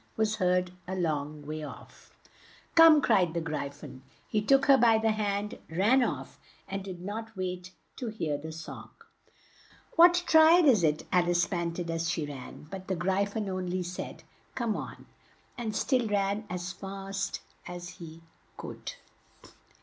was heard a long way off. "Come on," cried the Gry phon. He took her by the hand, ran off, and did not wait to hear the song. "What trial is it?" Al ice pant ed as she ran, but the Gry phon on ly said, "Come on!" and still ran as fast as he could.